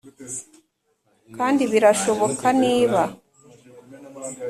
kandi birashoboka niba